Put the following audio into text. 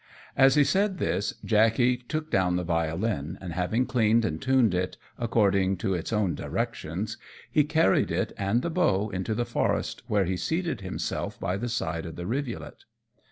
As he said this, Jackey took down the violin, and having cleaned and tuned it, according to its own directions, he carried it and the bow into the forest, where he seated himself by the side of the rivulet.